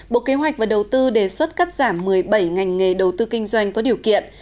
bộ kế hoạch và đầu tư đề xuất cắt giảm một mươi bảy ngành nghề đầu tư kinh doanh có điều kiện